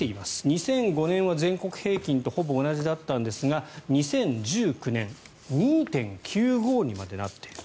２００５年は全国平均とほぼ同じだったんですが２０１９年２．９５にまでなっている。